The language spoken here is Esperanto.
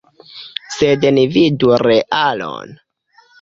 Sed ni vidu realon.